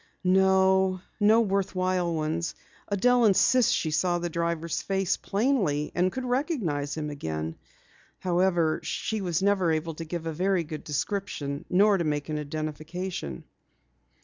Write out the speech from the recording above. "No worthwhile ones. Adelle insists that she saw the driver's face plainly and could recognize him again. However, she never was able to give a very good description, nor to make an identification."